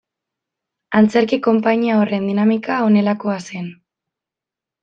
Antzerki konpainia horren dinamika honelakoa zen.